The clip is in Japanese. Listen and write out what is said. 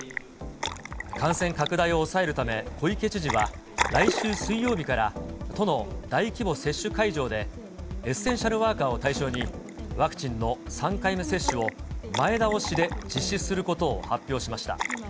感染拡大を抑えるため、小池知事は、来週水曜日から都の大規模接種会場で、エッセンシャルワーカーを対象に、ワクチンの３回目接種を前倒しで実施することを発表しました。